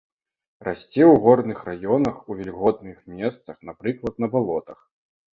Расце ў горных раёнах ў вільготных месцах, напрыклад, на балотах.